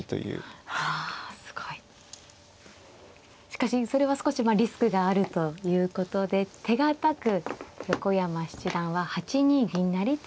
しかしそれは少しリスクがあるということで手堅く横山七段は８二銀成と指しました。